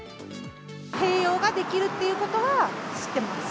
併用ができるということは知ってます。